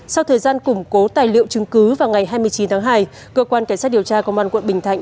sau thời gian củng cố tài liệu chứng cứ vào ngày hai mươi chín tháng hai cơ quan cảnh sát điều tra công an quận bình thạnh